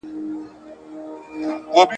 ما خو ویلي وه درځم ته به مي لاره څارې !.